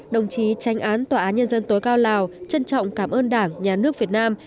đồng chí tranh án tòa án nhân dân tối cao lào trân trọng cảm ơn đảng nhà nước việt nam